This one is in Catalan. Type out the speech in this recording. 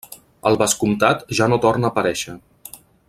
El vescomtat ja no torna a aparèixer.